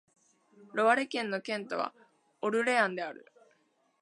ロワレ県の県都はオルレアンである